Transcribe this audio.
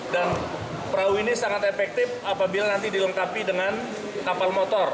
dan perahu ini sangat efektif apabila nanti dilengkapi dengan kapal motor